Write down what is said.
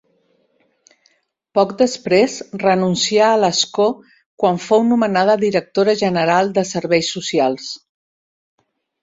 Poc després renuncià a l'escó quan fou nomenada directora general de Serveis Socials.